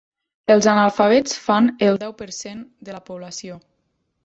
Els analfabets fan el deu per cent de la població.